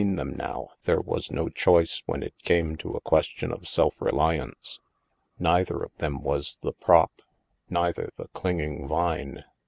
Between them now, there was no choice when it came to a question of self reliance. Neither of them was the prop, neither the clinging vine.